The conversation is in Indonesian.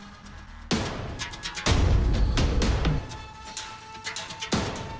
senyum juga acado dia itu harga duit pengangguran lem deserved